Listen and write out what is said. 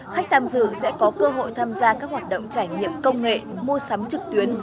khách tham dự sẽ có cơ hội tham gia các hoạt động trải nghiệm công nghệ mua sắm trực tuyến